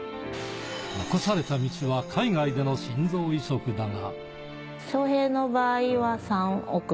残された道は、海外での心臓移植だが。